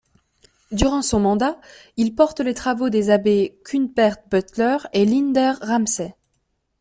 Durant son mandat, il porte les travaux des abbés Cuthbert Butler et Leander Ramsay.